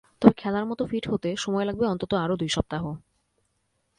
তবে খেলার মতো ফিট হতে সময় লাগবে অন্তত আরও দুই সপ্তাহ।